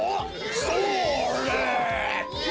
それ！